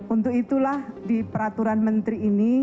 untuk itulah di peraturan menteri ini